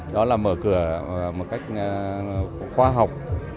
đó là mở cửa một cách khoa học